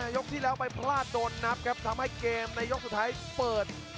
ยกที่แล้วไปพลาดโดนนับครับทำให้เกมในยกสุดท้ายเปิด